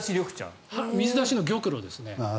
水出しの玉露ですね。